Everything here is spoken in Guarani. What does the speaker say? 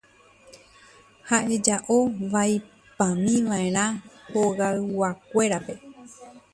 Ha oja'o vaipámiva'erã hogayguakuérape.